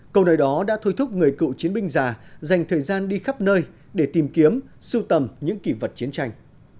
câu nơi đó đã thuê thúc người cựu chiến binh già dành thời gian đi khắp nơi để tìm kiếm sưu tầm những kỳ vật chiến tranh